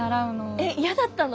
えっやだったの？